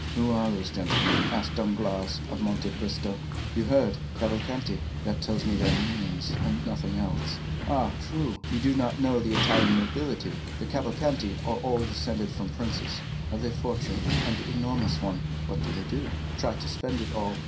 "Who are those gentlemen?" asked Danglars of Monte Cristo. "You heard—Cavalcanti." "That tells me their name, and nothing else." "Ah! true. You do not know the Italian nobility; the Cavalcanti are all descended from princes." "Have they any fortune?" "An enormous one." "What do they do?" "Try to spend it all.